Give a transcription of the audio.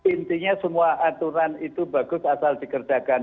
intinya semua aturan itu bagus asal dikerjakan